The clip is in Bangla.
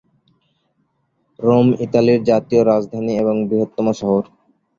রোম ইতালির জাতীয় রাজধানী এবং বৃহত্তম শহর।